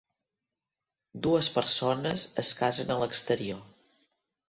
Dues persones es casen a l'exterior.